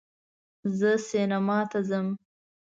زه سینما ته ځم